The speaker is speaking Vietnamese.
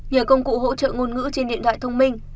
nhờ công cụ hỗ trợ ngôn ngữ trên điện thoại thông minh